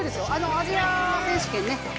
アジア選手権ね